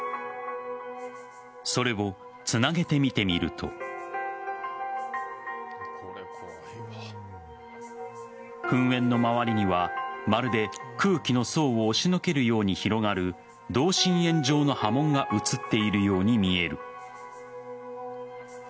それをつなげて見てみると噴煙の周りにはまるで空気の層を押しのけるように広がる同心円状の波紋が映っているように見える。